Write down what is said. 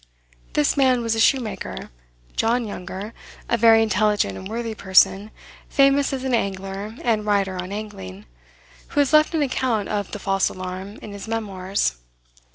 This man was a shoemaker, John Younger, a very intelligent and worthy person, famous as an angler and writer on angling, who has left an account of the "False Alarm" in his memoirs.